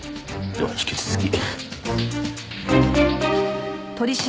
では引き続き。